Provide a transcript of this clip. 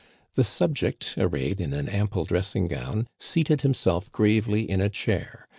The subject, arrayed in an ample dressing gown, seated himself gravely in a chair.